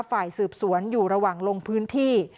ฝ่ายสืบสวนอยู่ระหว่างลงพื้นที่